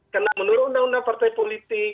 karena menurut undang undang partai politik